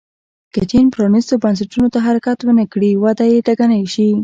که چین پرانیستو بنسټونو ته حرکت ونه کړي وده یې ټکنۍ شي.